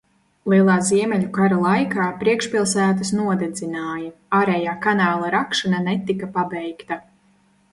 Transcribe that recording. Lielā Ziemeļu kara laikā priekšpilsētas nodedzināja, ārējā kanāla rakšana netika pabeigta.